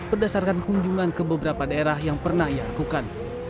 berdasarkan kunjungan ke beberapa daerah yang pernah ia lakukan